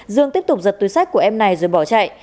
dương tiếp tục giật túi sách của em này rồi bỏ chạy